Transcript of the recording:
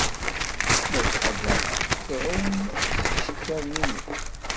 Malḥa Baḥa tɛum s yiceḍḍiḍen-nnes.